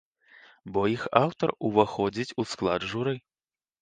Бо іх аўтар уваходзіць у склад журы.